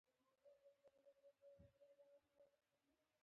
چې ډېر تخليقي ذهنونه او ادبي مزاجونه ئې لرل